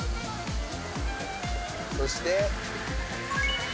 そして。